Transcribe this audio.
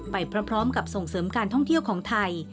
ไปพร้อมกับส่งเสริมการท่องเที่ยวของไทย